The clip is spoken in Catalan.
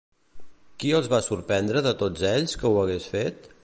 Qui els va sorprendre de tots ells que ho hagués fet?